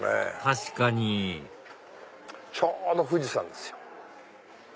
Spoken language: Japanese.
確かにちょうど富士山ですよ。